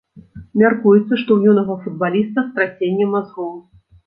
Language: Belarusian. Мяркуецца, што ў юнага футбаліста страсенне мазгоў.